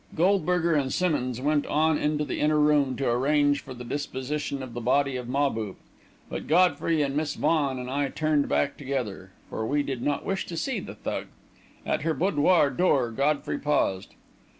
Goldberger and Simmonds went on into the inner room to arrange for the disposition of the body of Mahbub; but Godfrey and Miss Vaughan and I turned back together, for we did not wish to see the Thug. At her boudoir door Godfrey paused.